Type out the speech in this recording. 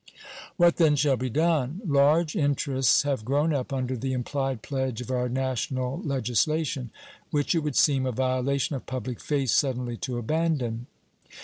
What, then, shall be done? Large interests have grown up under the implied pledge of our national legislation, which it would seem a violation of public faith suddenly to abandon.